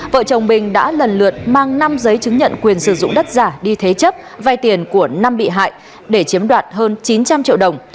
vợ chồng bình đã lần lượt mang năm giấy chứng nhận quyền sử dụng đất giả đi thế chấp vay tiền của năm bị hại để chiếm đoạt hơn chín trăm linh triệu đồng